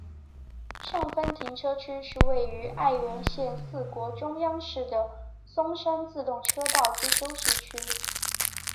上分停车区是位于爱媛县四国中央市的松山自动车道之休息区。